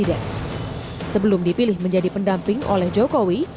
yang memiliki kemampuan yang sangat baik